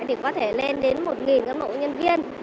thì có thể lên đến một ngân bộ nhân viên